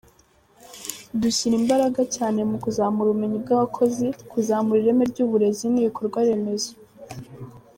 Dushyira imbaraga cyane mu kuzamura ubumenyi bw’abakozi, kuzamura ireme ry’uburezi n’ibikorwaremezo.